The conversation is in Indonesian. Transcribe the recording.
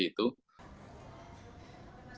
harapan kami yang pasti